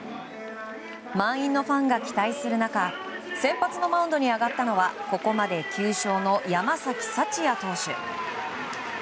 満員のファンが期待する中先発のマウンドに上がったのはここまで９勝の山崎福也投手。